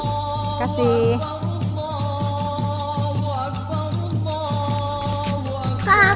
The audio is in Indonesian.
makasih juga ya sayangnya